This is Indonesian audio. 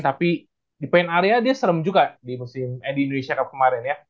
tapi di paint area dia serem juga di indonesia kemarin ya